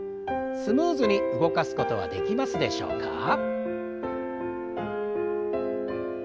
スムーズに動かすことはできますでしょうか？